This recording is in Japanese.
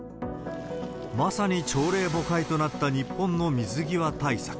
まさに朝令暮改となった日本の水際対策。